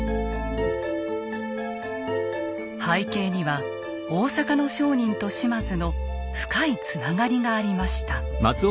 背景には大坂の商人と島津の深いつながりがありました。